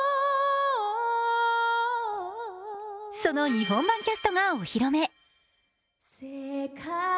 その日本版キャストがお披露目。